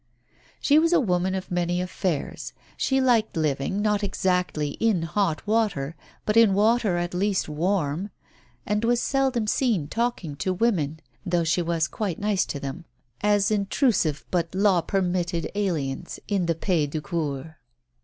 She was a woman of many "affairs "; she liked living, not exactly in hot water, but in water at least warm, and was seldom seen talking to women, though she was quite nice to them, as intrusive but law permitted aliens in the pays du cceur.